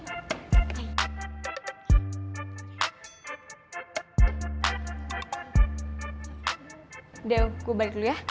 udah gue balik dulu ya